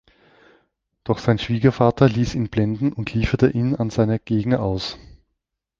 Doch sein Schwiegervater ließ ihn blenden und lieferte ihn an seine Gegner aus.